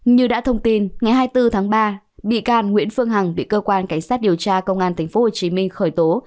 như đã thông tin ngày hai mươi bốn tháng ba bị can nguyễn phương hằng bị cơ quan cảnh sát điều tra công an tp hcm khởi tố